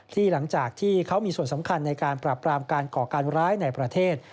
หลังจากที่เขามีส่วนสำคัญในการปรับปรามการก่อการร้ายในประเทศ